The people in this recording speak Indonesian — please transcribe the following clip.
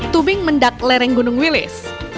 tubing mendak lereng gunung wilis